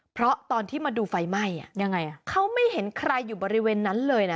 เพราะตอนที่มาดูไฟไหม้เขาไม่เห็นใครอยู่บริเวณนั้นเลยนะ